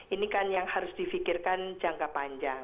ini kan yang harus difikirkan jangka panjang